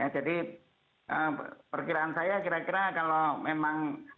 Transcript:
jadi perkiraan saya kira kira kalau memang